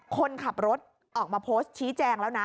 คนขับรถออกมาโพสต์ชี้แจงแล้วนะ